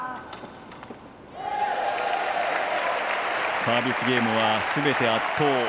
サービスゲームはすべて圧倒。